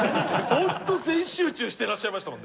本当全集中してらっしゃいましたもんね。